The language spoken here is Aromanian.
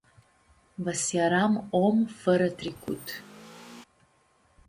Va s-earam om fãrã tricut.